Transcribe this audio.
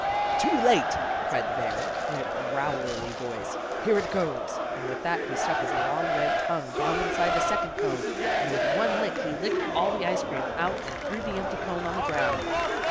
"Too late!" cried the bear, in a growlery voice. "Here it goes!" and with that he stuck his long, red tongue down inside the second cone, and with one lick he licked all the ice cream out and threw the empty cone on the ground.